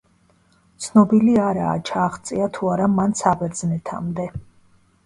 ცნობილი არაა ჩააღწია თუ არა მან საბერძნეთამდე.